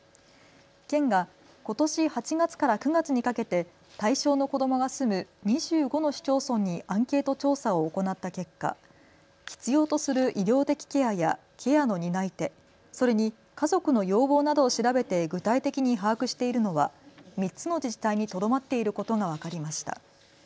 県がことし８月から９月にかけて対象の子どもが住む２５の市町村にアンケート調査を行った結果、必要とする医療的ケアやケアの担い手、それに家族の要望などを調べて具体的に把握しているのは３つの自治体にとどまっていることが分かりました。